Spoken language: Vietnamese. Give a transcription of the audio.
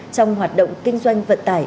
trong hoạt động kinh doanh vận tải